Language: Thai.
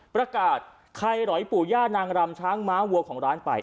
ประกาศใครหรอยปู่ย่านางรำช้างม้าวัวของร้านไป